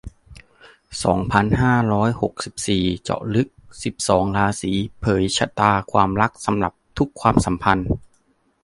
สองพันห้าร้อยหกสิบสี่ เจาะลึก สิบสอง ราศี เผยชะตาความรักสำหรับทุกความสัมพันธ์